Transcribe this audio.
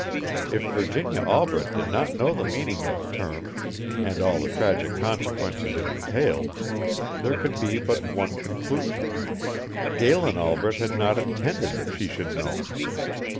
If Virginia Albret did not know the meaning of the term, and all the tragic consequences it entailed, there could be but one conclusion: Galen Albret had not intended that she should know.